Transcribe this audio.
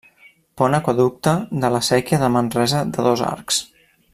Pont Aqüeducte de la Séquia de Manresa de dos arcs.